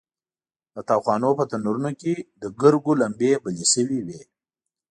د تاوخانو په تنورونو کې د ګرګو لمبې بلې شوې وې.